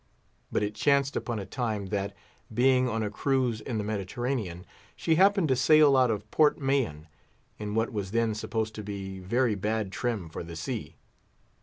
But it chanced upon a time, that, being on a cruise in the Mediterranean, she happened to sail out of Port Mahon in what was then supposed to be very bad trim for the sea.